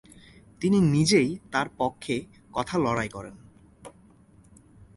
তিনি নিজেই তার পক্ষে কথা লড়াই করেন।